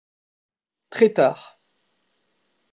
Très tard.